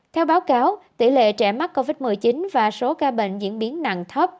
theo báo cáo tỷ lệ trẻ mắc covid một mươi chín và số ca bệnh diễn biến nặng thấp